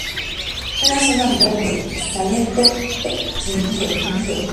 Nació en la zona rural de Salento, Quindío.